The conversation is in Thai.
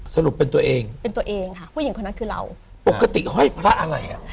สรุปเป็นตัวเองเป็นตัวเองค่ะผู้หญิงคนนั้นคือเราปกติห้อยพระอะไรอ่ะ